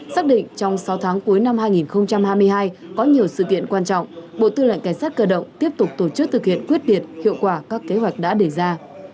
xác định trong sáu tháng cuối năm hai nghìn hai mươi hai có nhiều sự kiện quan trọng bộ tư lệnh cảnh sát cơ động tiếp tục tổ chức thực hiện quyết liệt hiệu quả các kế hoạch đã đề ra